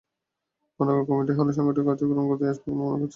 পূর্ণাঙ্গ কমিটি হলে সাংগঠনিক কার্যক্রম গতি আসবে বলে মনে করেন তিনি।